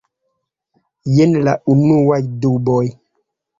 Jen la unuaj duboj.